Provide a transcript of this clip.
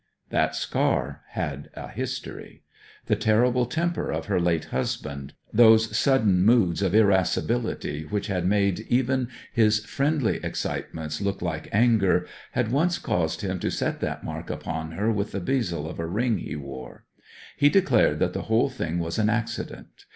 That scar had a history. The terrible temper of her late husband those sudden moods of irascibility which had made even his friendly excitements look like anger had once caused him to set that mark upon her with the bezel of a ring he wore. He declared that the whole thing was an accident.